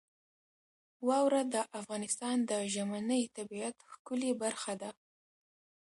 واوره د افغانستان د ژمنۍ طبیعت ښکلې برخه ده.